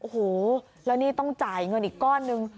โอ้โหแล้วนี่ต้องจ่ายเงินอีกก้อนนึง